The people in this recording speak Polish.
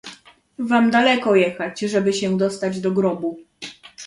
"Wam daleko jechać, żeby się dostać do grobu."